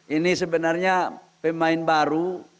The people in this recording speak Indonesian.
ini sebenarnya pemain baru